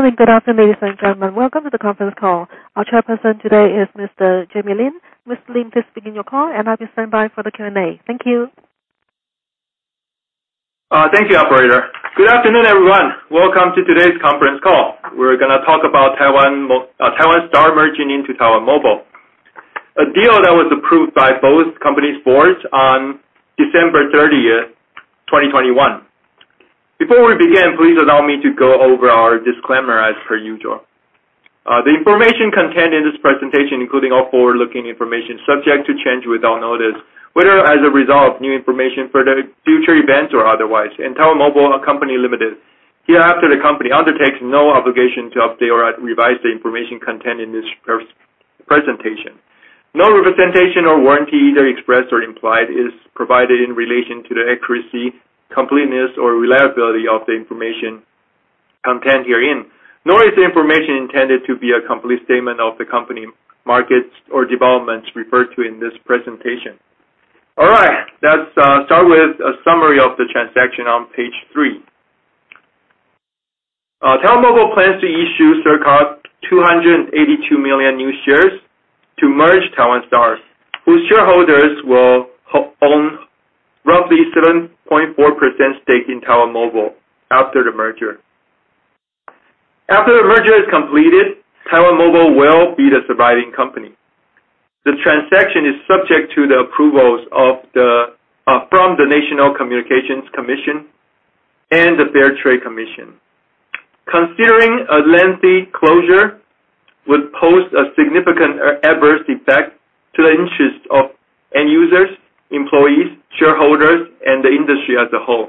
Morning, good afternoon, ladies and gentlemen. Welcome to the conference call. Our chairperson today is Mr. Jamie Lin. Mr. Lin, please begin your call, and I'll be standing by for the Q&A. Thank you. Thank you, operator. Good afternoon, everyone. Welcome to today's conference call. We're gonna talk about Taiwan Star merging into Taiwan Mobile, a deal that was approved by both companies' boards on December 30, 2021. Before we begin, please allow me to go over our disclaimer as per usual. The information contained in this presentation, including all forward-looking information, is subject to change without notice, whether as a result of new information for the future events or otherwise. Taiwan Mobile Co., Ltd., hereafter the company, undertakes no obligation to update or revise the information contained in this presentation. No representation or warranty, either expressed or implied, is provided in relation to the accuracy, completeness or reliability of the information contained herein, nor is the information intended to be a complete statement of the company, markets or developments referred to in this presentation. All right. Let's start with a summary of the transaction on Page 3. Taiwan Mobile plans to issue circa 282 million new shares to merge Taiwan Star, whose shareholders will own roughly 7.4% stake in Taiwan Mobile after the merger. After the merger is completed, Taiwan Mobile will be the surviving company. The transaction is subject to the approvals from the National Communications Commission and the Fair Trade Commission. Considering a lengthy closure would pose a significant adverse effect to the interest of end users, employees, shareholders, and the industry as a whole,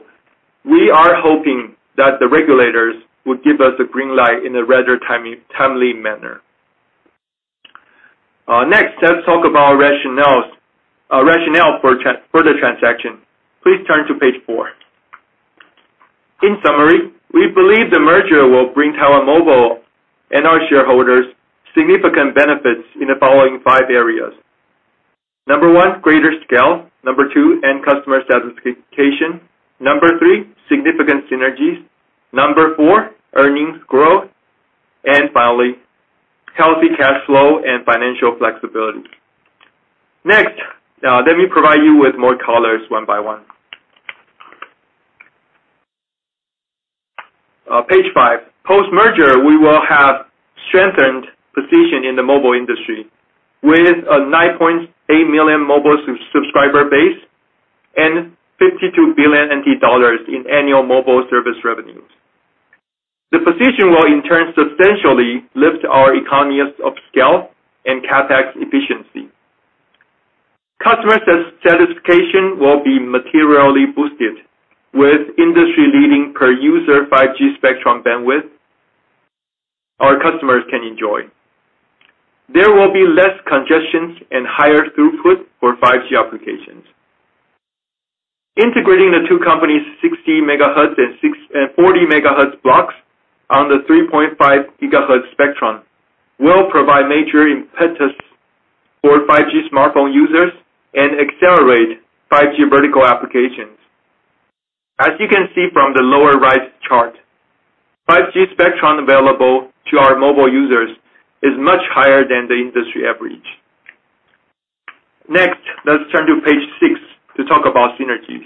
we are hoping that the regulators would give us a green light in a rather timely manner. Next, let's talk about rationale for the transaction. Please turn to Page 4. In summary, we believe the merger will bring Taiwan Mobile and our shareholders significant benefits in the following five areas. Number one, greater scale. Number two, end customer satisfaction. Number three, significant synergies. Number four, earnings growth. And finally, healthy cash flow and financial flexibility. Next, let me provide you with more colors one by one. Page 5. Post-merger, we will have a strengthened position in the mobile industry with a 9.8 million mobile subscriber base and 52 billion NT dollars in annual mobile service revenues. The position will, in turn, substantially lift our economies of scale and CapEx efficiency. Customer satisfaction will be materially boosted with industry-leading per user 5G spectrum bandwidth our customers can enjoy. There will be less congestion and higher throughput for 5G applications. Integrating the two companies' 60 MHz and 40 MHz blocks on the 3.5 GHz spectrum will provide major impetus for 5G smartphone users and accelerate 5G vertical applications. As you can see from the lower right chart, 5G spectrum available to our mobile users is much higher than the industry average. Next, let's turn to Page 6 to talk about synergies.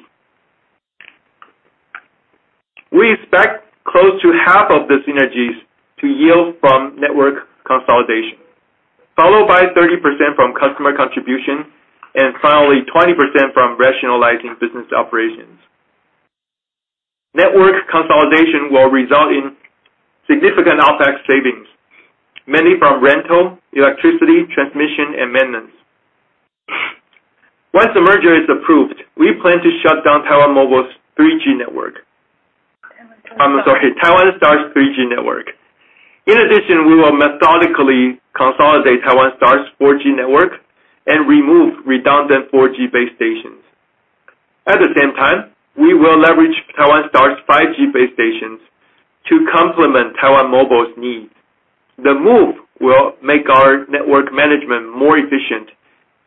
We expect close to half of the synergies to yield from network consolidation, followed by 30% from customer contribution, and finally, 20% from rationalizing business operations. Network consolidation will result in significant OpEx savings, mainly from rental, electricity, transmission, and maintenance. Once the merger is approved, we plan to shut down Taiwan Mobile's 3G network. TaiwanStar's, I'm sorry, Taiwan Star's 3G network. In addition, we will methodically consolidate Taiwan Star's 4G network and remove redundant 4G base stations. At the same time, we will leverage Taiwan Star's 5G base stations to complement Taiwan Mobile's needs. The move will make our network management more efficient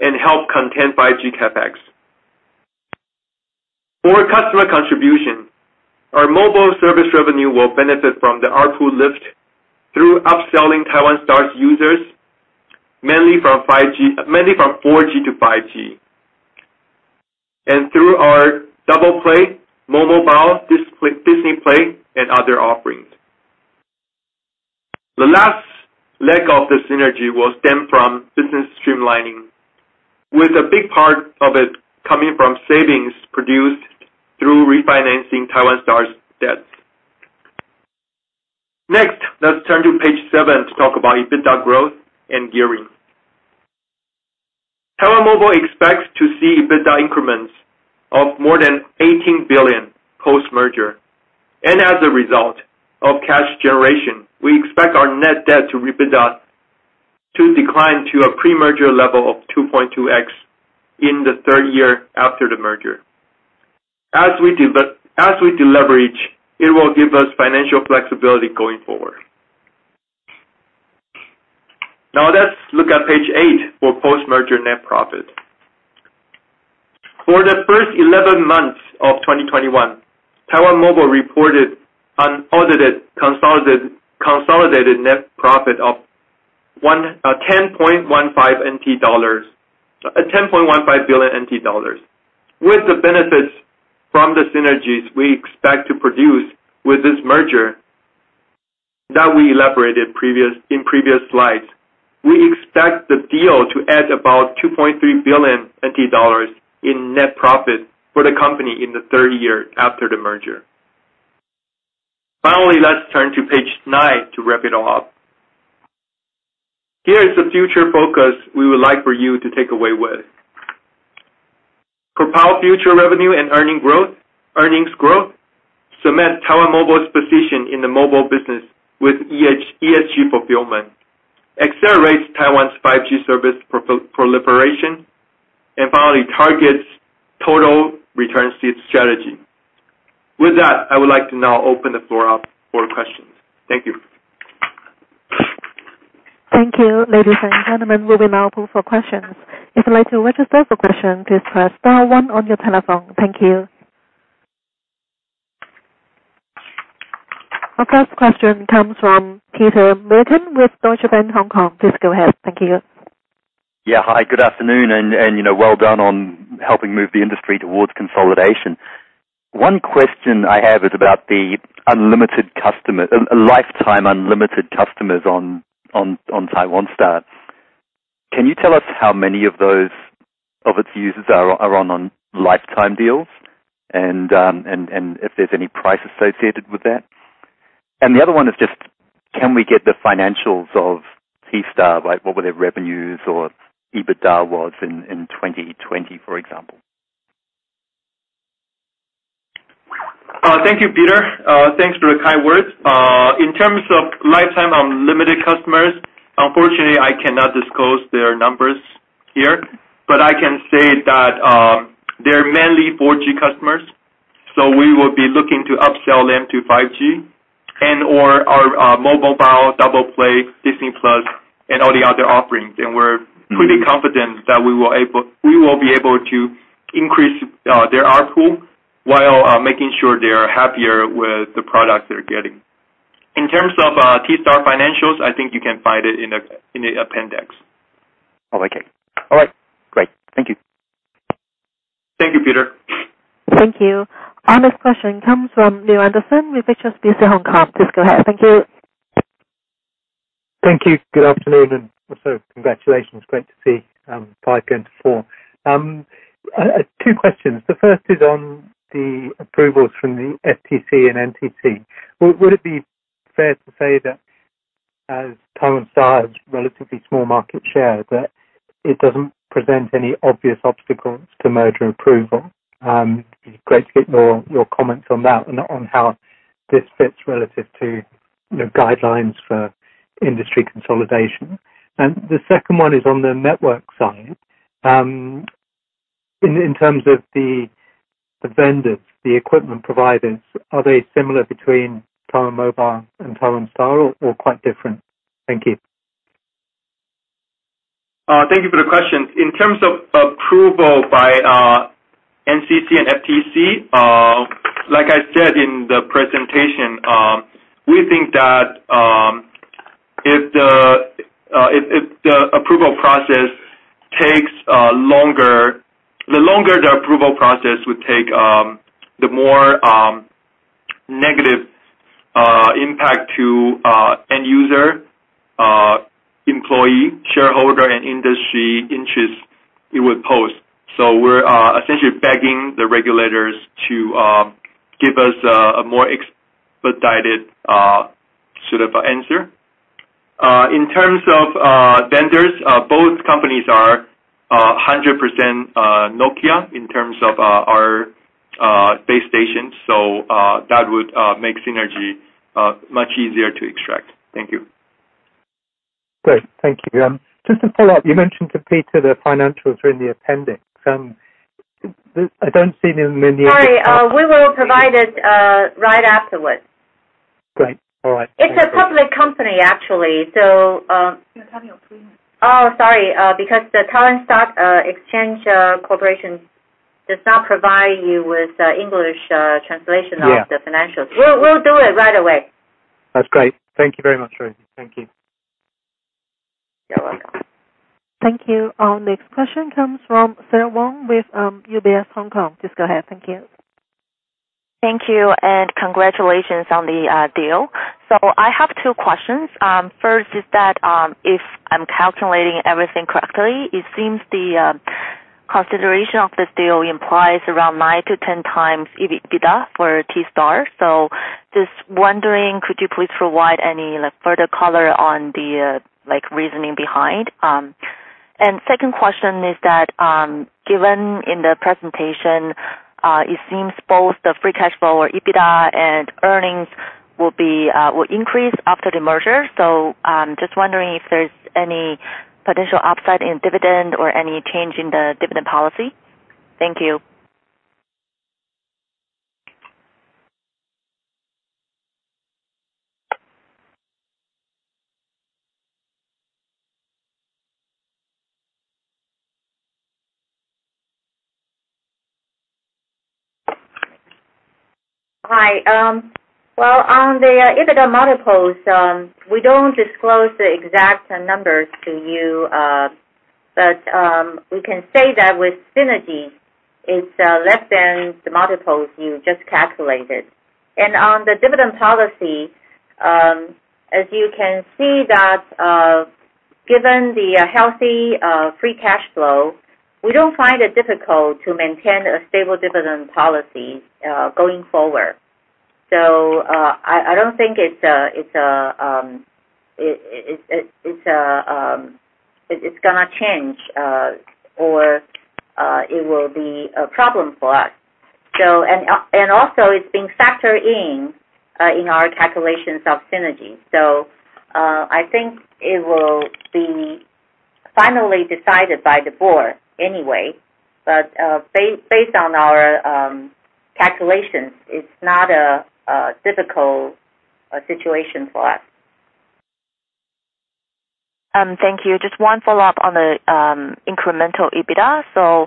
and help contain 5G CapEx. For customer contribution, our mobile service revenue will benefit from the ARPU lift through upselling Taiwan Star's users, mainly from 4G to 5G, and through our Doubleplay, Disney+, and other offerings. The last leg of the synergy will stem from business streamlining, with a big part of it coming from savings produced through refinancing Taiwan Star's debts. Next, let's turn to Page 7 to talk about EBITDA growth and gearing. Taiwan Mobile expects to see EBITDA increments of more than 18 billion post-merger. As a result of cash generation, we expect our net debt to EBITDA to decline to a pre-merger level of 2.2x in the third year after the merger. As we deleverage, it will give us financial flexibility going forward. Now let's look at page eight for post-merger net profit. For the first 11 months of 2021, Taiwan Mobile reported unaudited consolidated net profit of 10.15 billion NT dollars. With the benefits from the synergies we expect to produce with this merger that we elaborated in previous slides, we expect the deal to add about 2.3 billion NT dollars in net profit for the company in the third year after the merger. Finally, let's turn to Page 9 to wrap it all up. Here is the future focus we would like for you to take away with. Propel future revenue and earnings growth. Cement Taiwan Mobile's position in the mobile business with EHS-ESG fulfillment. Accelerate Taiwan's 5G service proliferation. Finally, target total returns to its strategy. With that, I would like to now open the floor up for questions. Thank you. Thank you. Ladies and gentlemen, we will now open for questions. If you'd like to register a question, please press Star one on your telephone. Thank you. Our first question comes from Peter Milliken with Deutsche Bank Hong Kong. Please go ahead. Thank you. Yeah. Hi, good afternoon. You know, well done on helping move the industry towards consolidation. One question I have is about the lifetime unlimited customers on Taiwan Star. Can you tell us how many of its users are on lifetime deals and if there's any price associated with that? The other one is just can we get the financials of T Star, right? What were their revenues or EBITDA was in 2020, for example? Thank you, Peter. Thanks for the kind words. In terms of lifetime unlimited customers, unfortunately, I cannot disclose their numbers here, but I can say that they're mainly 4G customers, so we will be looking to upsell them to 5G and/or our Mobile Double Play Disney+ and all the other offerings. We're pretty confident that we will be able to increase their ARPU while making sure they are happier with the product they're getting. In terms of T Star financials, I think you can find it in the appendix. Okay. All right. Great. Thank you. Thank you, Peter. Thank you. Our next question comes from Leo Anderson with UBS Hong Kong. Please go ahead. Thank you. Thank you. Good afternoon, and also congratulations. Great to see five going to four. Two questions. The first is on the approvals from the FTC and NCC. Would it be fair to say that as Taiwan Star's relatively small market share, that it doesn't present any obvious obstacles to merger approval? It'd be great to get your comments on that, on how this fits relative to the guidelines for industry consolidation. The second one is on the network side. In terms of the vendors, the equipment providers, are they similar between Taiwan Mobile and Taiwan Star or quite different? Thank you. Thank you for the question. In terms of approval by NCC and FTC, like I said in the presentation, we think that if the approval process takes longer, the longer the approval process would take, the more negative impact to end user, employee, shareholder and industry interests it would pose. We're essentially begging the regulators to give us a more expedited sort of answer. In terms of vendors, both companies are 100% Nokia in terms of our base station. That would make synergy much easier to extract. Thank you. Great. Thank you. Just to follow up, you mentioned to Peter the financials are in the appendix. I don't see them in the Sorry. We will provide it right afterwards. Great. All right. It's a public company, actually, so. You're talking on speaker. Oh, sorry. Because the Taiwan Stock Exchange Corporation does not provide you with English translation of- Yeah. The financials. We'll do it right away. That's great. Thank you very much, Ruby. Thank you. You're welcome. Thank you. Our next question comes from Sarah Wong with UBS Hong Kong. Please go ahead. Thank you. Thank you, and congratulations on the deal. I have two questions. First is that, if I'm calculating everything correctly, it seems the consideration of this deal implies around 9x-10x EBITDA for T Star. Just wondering, could you please provide any, like, further color on the, like, reasoning behind? Second question is that, given in the presentation, it seems both the free cash flow or EBITDA and earnings will increase after the merger. Just wondering if there's any potential upside in dividend or any change in the dividend policy. Thank you. Hi. Well, on the EBITDA multiples, we don't disclose the exact numbers to you. We can say that with synergy it's less than the multiples you just calculated. On the dividend policy, as you can see that, given the healthy free cash flow, we don't find it difficult to maintain a stable dividend policy going forward. I don't think it's gonna change or it will be a problem for us. Also it's being factored in in our calculations of synergy. I think it will be finally decided by the board anyway. Based on our calculations, it's not a difficult situation for us. Thank you. Just one follow-up on the incremental EBITDA.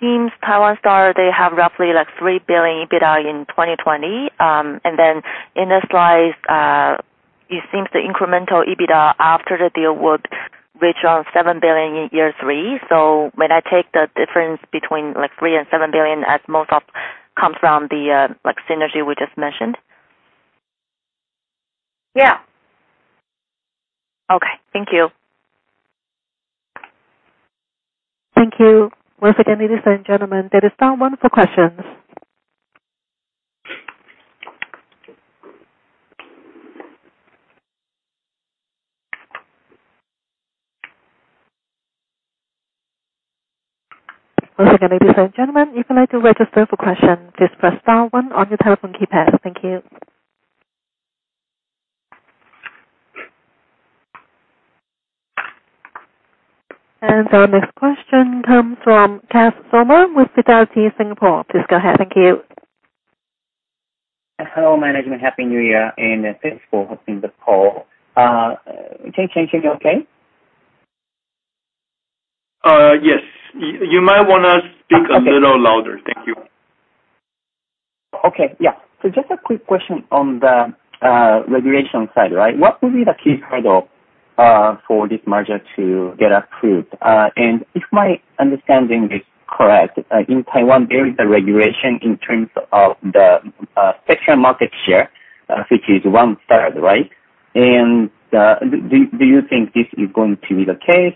Seems Taiwan Star, they have roughly like 3 billion EBITDA in 2020. Then in the slides, it seems the incremental EBITDA after the deal would reach 7 billion in year 3. May I take the difference between like 3 billion and 7 billion as most of comes from the like synergy we just mentioned? Yeah. Okay. Thank you. Our next question comes from Cass Summer with Fidelity Singapore. Please go ahead. Thank you. Hello, management. Happy New Year and thanks for hosting the call. Can you hear me okay? Yes. You might wanna speak a little louder. Thank you. Okay. Yeah. Just a quick question on the regulation side, right? What will be the key hurdle for this merger to get approved? If my understanding is correct, in Taiwan, there is a regulation in terms of the spectrum market share, which is one-third, right? Do you think this is going to be the case?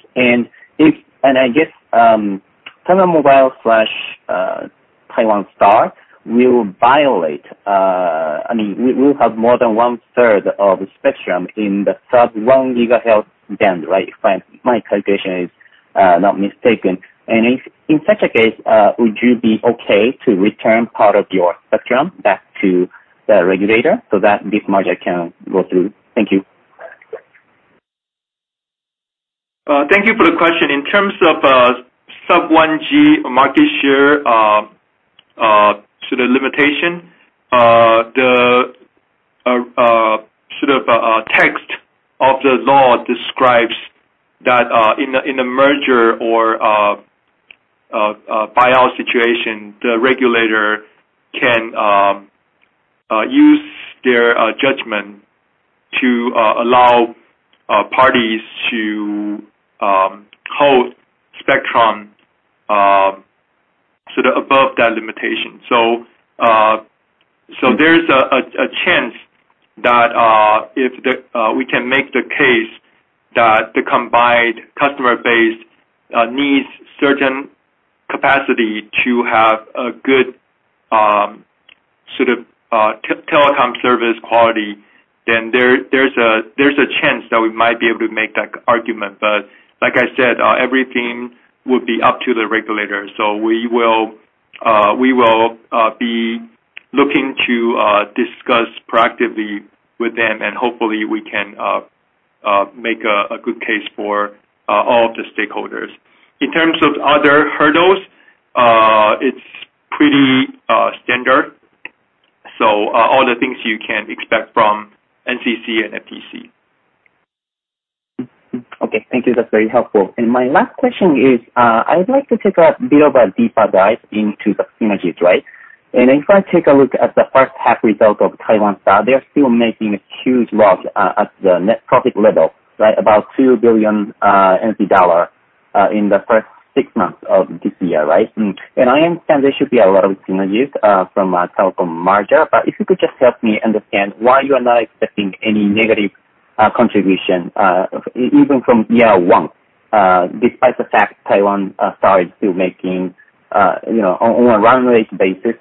If I guess, Taiwan Mobile slash Taiwan Star will violate. I mean, we'll have more than 1/3 of the spectrum in the sub-1 GHz band, right? If my calculation is not mistaken. If in such a case, would you be okay to return part of your spectrum back to the regulator so that this merger can go through? Thank you. Thank you for the question. In terms of sub-1 GHz market share sort of limitation, the sort of text of the law describes that in a merger or a buyout situation, the regulator can use their judgment to allow parties to hold spectrum sort of above that limitation. There's a chance that if we can make the case that the combined customer base needs certain capacity to have a good sort of telecom service quality, then there's a chance that we might be able to make that argument. Like I said, everything would be up to the regulators. We will be looking to discuss proactively with them, and hopefully we can make a good case for all of the stakeholders. In terms of other hurdles, it's pretty standard. All the things you can expect from NCC and FTC. Okay. Thank you. That's very helpful. My last question is, I'd like to take a bit of a deeper dive into the synergies, right? If I take a look at the first half results of Taiwan Star, they are still making huge loss at the net profit level, right? About 2 billion dollar in the first six months of this year, right? I understand there should be a lot of synergies from a telecom merger, but if you could just help me understand why you are not expecting any negative contribution even from year one, despite the fact Taiwan Star is still making, you know, on a run rate basis,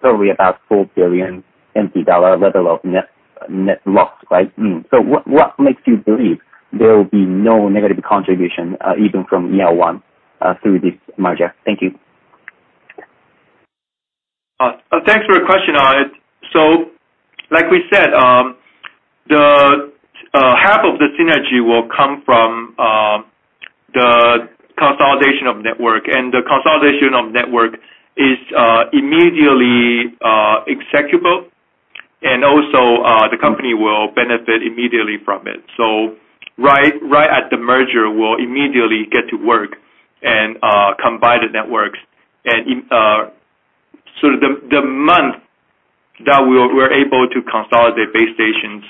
probably about 4 billion NT dollar level of net loss, right? What makes you believe there will be no negative contribution, even from year one, through this merger? Thank you. Thanks for your question. Like we said, work is immediately executable, and also, the company will benefit immediately from it. Right at the merger we'll immediately get to work and combine the networks. In the month that we're able to consolidate base stations,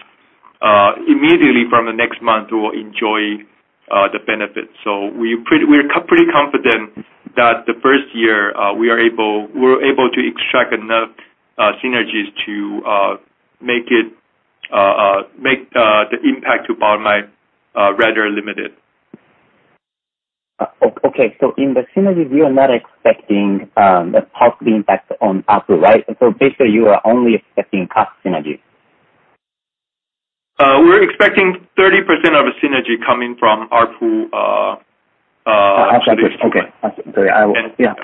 immediately from the next month we'll enjoy the benefits. We are pretty confident that the first year we're able to extract enough synergies to make the impact to bottom line rather limited. In the synergy you are not expecting a positive impact on ARPU, right? Basically you are only expecting cost synergy. We're expecting 30% of the synergy coming from ARPU. ARPU. Okay. Sorry, I will- Yeah.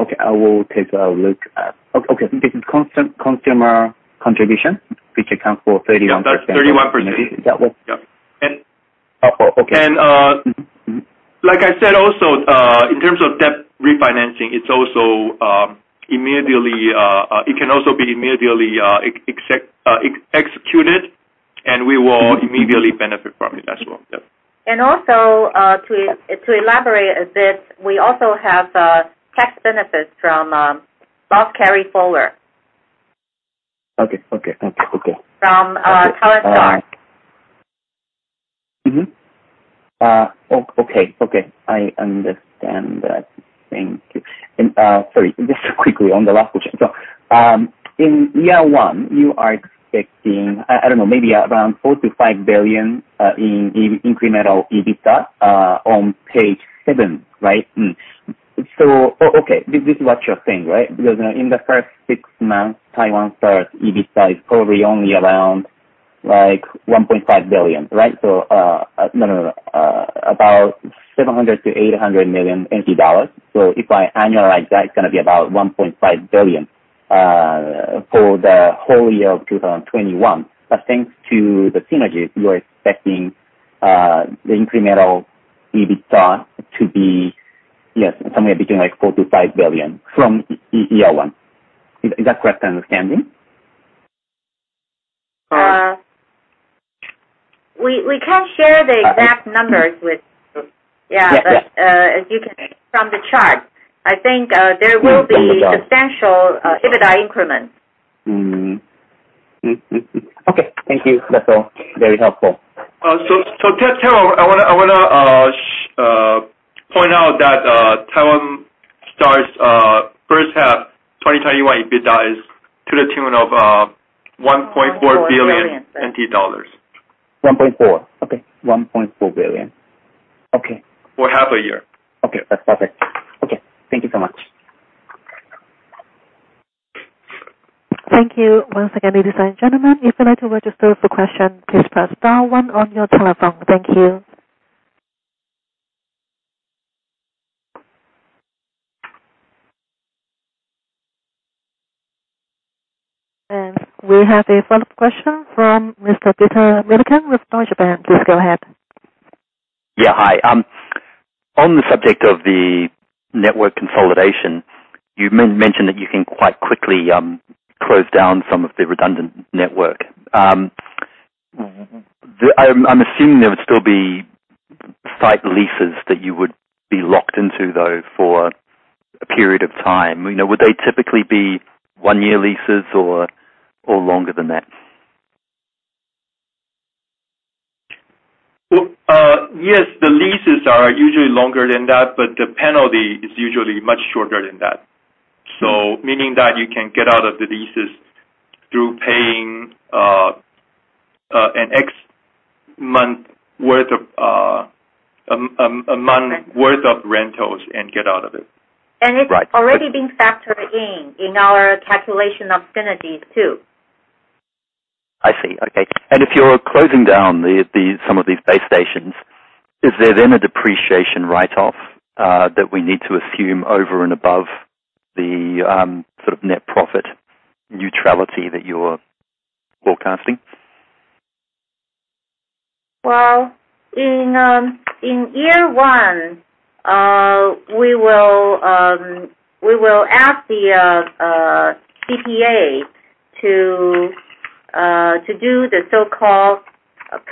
Okay. This is constant consumer contribution, which accounts for 31%. Yeah, that's 31%. Yeah. Yeah. ARPU, okay. Like I said also, in terms of debt refinancing, it's also immediately. It can also be immediately executed, and we will immediately benefit from it as well. Yeah. To elaborate a bit, we also have tax benefits from loss carryforward. Okay. From Taiwan Star. I understand that. Thank you. Sorry, just quickly on the last question. In year one you are expecting, I don't know, maybe around 4 billion-5 billion in incremental EBITDA on Page 7, right? This is what you're saying, right? Because, you know, in the first six months, Taiwan Star EBITDA is probably only around, like 1.5 billion, right? No, about 700 million-800 million NT dollars. If I annualize that, it's gonna be about 1.5 billion for the whole year of 2021. Thanks to the synergies you are expecting, the incremental EBITDA to be, yes, somewhere between like 4 billion-5 billion from year one. Is that correct understanding? We can't share the exact numbers with. Yes. Yes. Yeah. As you can see from the chart, I think there will be. Mm-hmm. Substantial EBITDA increments. Okay. Thank you. That's all. Very helpful. Terry, I wanna point out that Taiwan Star's first half 2021 EBITDA is to the tune of 1.4 billion NT dollars. 1.4 billion. Okay. For half a year. Okay. That's perfect. Okay. Thank you so much. We have a follow-up question from Mr. Peter Milliken with Deutsche Bank. Please go ahead. Yeah. Hi. On the subject of the network consolidation, you mentioned that you can quite quickly close down some of the redundant network. I'm assuming there would still be site leases that you would be locked into though for a period of time. You know, would they typically be one-year leases or longer than that? Well, yes, the leases are usually longer than that, but the penalty is usually much shorter than that. Meaning that you can get out of the leases through paying an X month worth of rentals and get out of it. Right. It's already been factored in our calculation of synergies too. I see. Okay. If you're closing down the some of these base stations, is there then a depreciation write-off that we need to assume over and above the sort of net profit neutrality that you're forecasting? Well, in year one, we will ask the CPA to do the so-called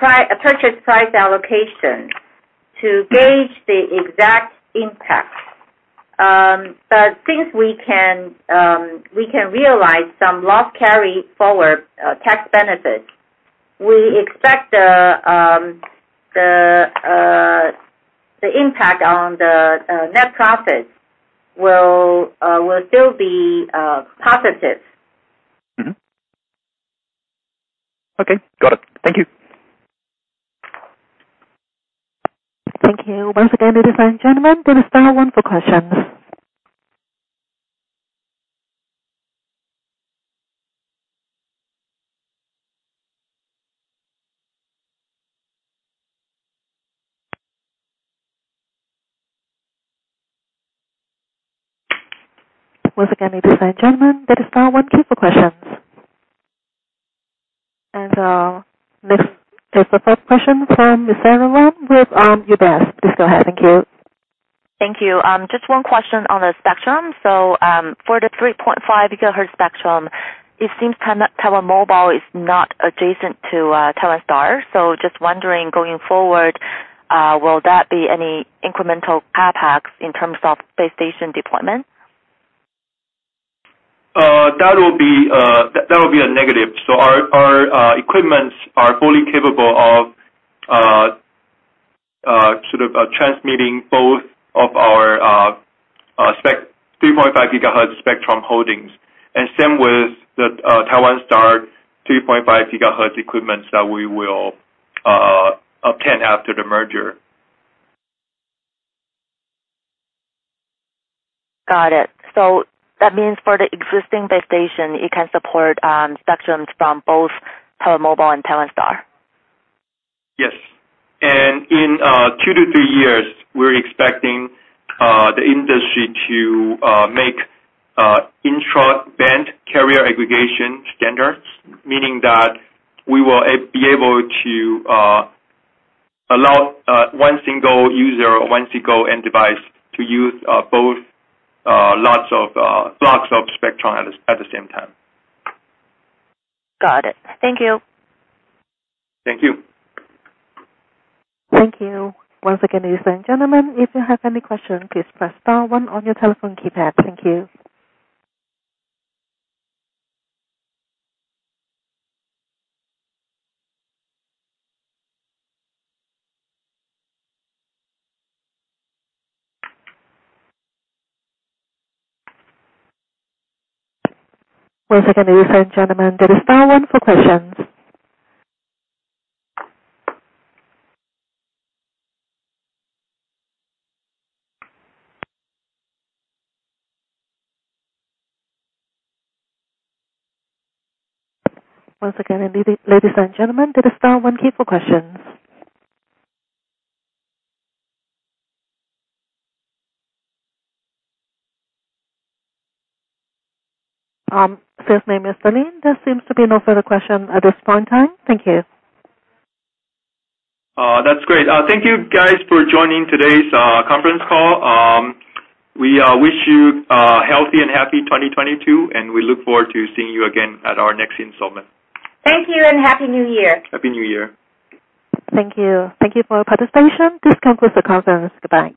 purchase price allocation to gauge the exact impact. Since we can realize some loss carryforward tax benefits, we expect the impact on the net profits will still be positive. Okay. Got it. Thank you. Next, the third question from Ms. Sarah Wong with UBS. Please go ahead. Thank you. Thank you. Just one question on the spectrum. For the 3.5 GHz spectrum, it seems Taiwan Mobile is not adjacent to Taiwan Star. Just wondering, going forward, will that be any incremental CapEx in terms of base station deployment? That will be a negative. Our equipments are fully capable of sort of transmitting both of our 3.5 gigahertz spectrum holdings. Same with the Taiwan Star 3.5 gigahertz equipments that we will obtain after the merger. Got it. That means for the existing base station, it can support spectrum from both Taiwan Mobile and Taiwan Star. Yes. In two-threeyears, we're expecting the industry to make intra-band carrier aggregation standards. Meaning that we will be able to allow one single user or one single end device to use both lots of blocks of spectrum at the same time. Got it. Thank you. Thank you. Thank you. First name is Celine. There seems to be no further question at this point in time. Thank you. That's great. Thank you guys for joining today's conference call. We wish you a healthy and happy 2022, and we look forward to seeing you again at our next installment. Thank you and Happy New Year. Happy New Year. Thank you. Thank you for your participation. This concludes the conference. Goodbye.